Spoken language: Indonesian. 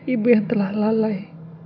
ibu yang telah lalai